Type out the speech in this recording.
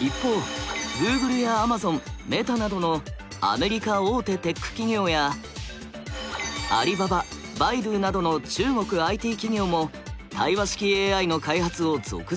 一方グーグルやアマゾンメタなどのアメリカ大手テック企業やアリババ百度などの中国ＩＴ企業も対話式ＡＩの開発を続々発表。